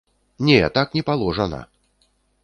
Не, так не паложана.